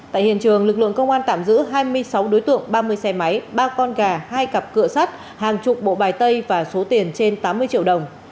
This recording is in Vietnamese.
tại hiện trường lực lượng công an tạm giữ hai mươi sáu đối tượng ba mươi xe máy ba con gà hai cặp cửa sắt hàng chục bộ bài tay và số tiền trên tám mươi triệu đồng